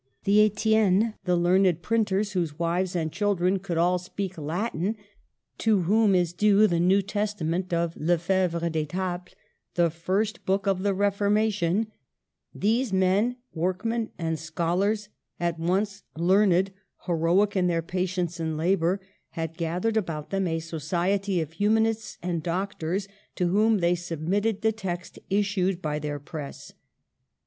The Estiennes, the learned print ers whose wives and children could all speak Latin, to whom is due the New Testament of Lefebvre d'Etaples, the first book of the Refor mation, — these men, workmen and scholars at once, learned, heroic in their patience and labor, had gathered about them a society of human ists and doctors, to whom they submitted the texts issued by their press.